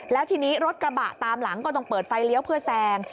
แล้วทีนี้รถกระบะตามหลังก็ต้องเปิดไฟเลี้ยวเพื่อแซง